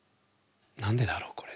何でだろう